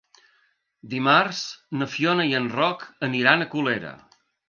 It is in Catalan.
Dimarts na Fiona i en Roc aniran a Colera.